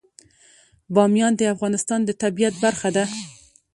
بامیان د افغانستان د طبیعت برخه ده.